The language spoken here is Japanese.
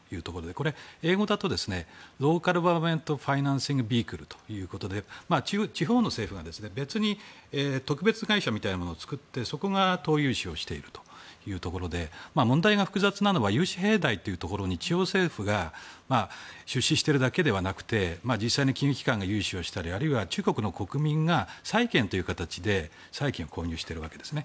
これは英語だとローカルガバメントファイナンシャルビークルということで地方の政府が別に特別会社みたいなのを作ってそこが投融資をしているというところで問題が複雑なのは融資平台というところに中央政府が出資しているだけではなくて実際に金融機関が融資したりあるいは中国国民が債券を購入しているんですね。